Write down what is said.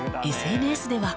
ＳＮＳでは。